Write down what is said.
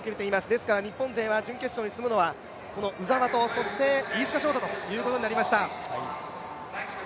ですから日本勢は準決勝に進むのは鵜澤と、そして飯塚翔太ということになりました。